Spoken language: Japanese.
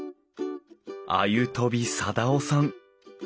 鮎飛定男さん。